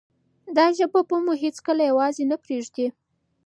دا ژبه به مو هیڅکله یوازې نه پریږدي.